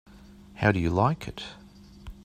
How do you like it?